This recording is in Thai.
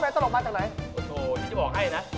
ไว้พลุดมันจะพลอน